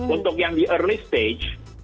untuk yang di early stage